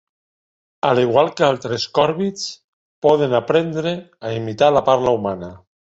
A l'igual que altres còrvids, poden aprendre a imitar la parla humana.